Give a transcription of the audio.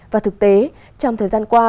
và thực tế trong thời gian qua